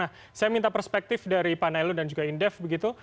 nah saya minta perspektif dari pak nailun dan juga indef begitu